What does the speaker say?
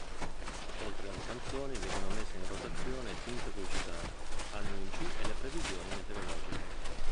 Oltre alle canzoni vengono messe in rotazione finte pubblicità, annunci e le previsioni meteorologiche.